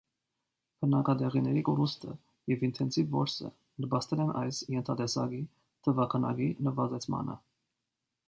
Բնակատեղիների կորուստը և ինտենսիվ որսը նպաստել են այս ենթատեսակի թվաքանակի նվազեցմանը։